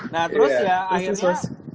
nah terus ya akhirnya